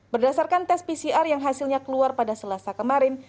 berdasarkan tes pcr yang hasilnya keluar pada selasa kemarin